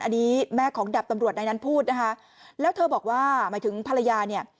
อันนี้แม่ของดาบตำรวจในนั้นพูดนะคะแล้วเธอบอกว่าหมายถึงภรรยาเนี่ย